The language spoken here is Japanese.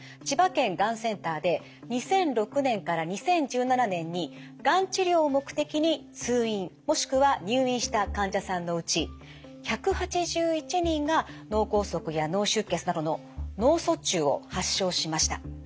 千葉県がんセンターで２００６年から２０１７年にがん治療を目的に通院もしくは入院した患者さんのうち１８１人が脳梗塞や脳出血などの脳卒中を発症しました。